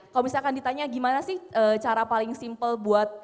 kalau misalkan ditanya gimana sih cara paling simple buat